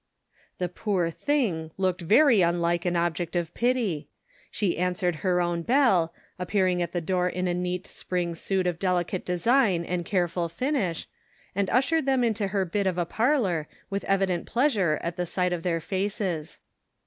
The "• poor thing " looked very unlike an object of pity. She answered her own bell, appearing at the door in a neat spring suit of delicate design and careful finish, and ushered them into her bit of a parlor, with evident pleasure at the sight of their faces.